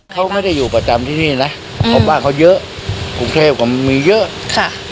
เขาไม่ได้อยู่ประจำที่นี่นะเพราะบ้านเขาเยอะกรุงเทพก็มีเยอะค่ะ